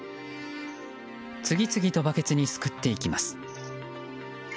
次々とバケツにすくっていきます。